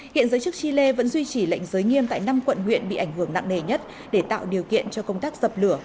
hiện giới chức chile vẫn duy trì lệnh giới nghiêm tại năm quận huyện bị ảnh hưởng nặng nề nhất để tạo điều kiện cho công tác dập lửa